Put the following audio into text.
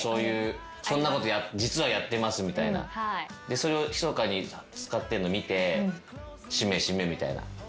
それをひそかに使ってんのを見てしめしめみたいな。